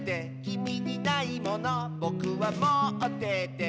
「きみにないものぼくはもってて」